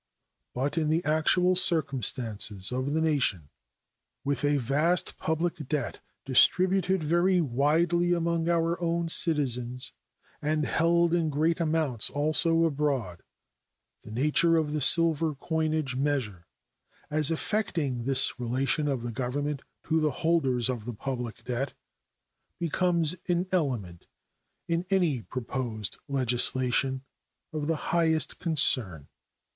But in the actual circumstances of the nation, with a vast public debt distributed very widely among our own citizens and held in great amounts also abroad, the nature of the silver coinage measure, as affecting this relation of the Government to the holders of the public debt, becomes an element, in any proposed legislation, of the highest concern.